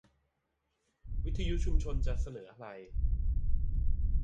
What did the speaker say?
วิทยุชุมชนจะนำเสนออะไร